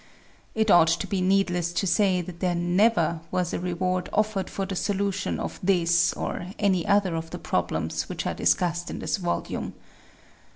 It ought to be needless to say that there never was a reward offered for the solution of this or any other of the problems which are discussed in this volume.